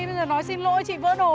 bây giờ nói xin lỗi chị vỡ đồ